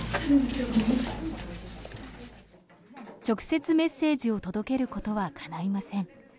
直接メッセージを届けることはかないません。